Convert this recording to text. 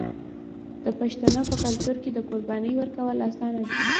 د پښتنو په کلتور کې د قربانۍ ورکول اسانه دي.